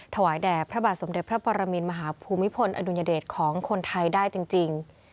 ถวายแด่พระบาทสมเด็จพระปรมินมหาภูมิพลอดุญเดชของคนไทยได้จริง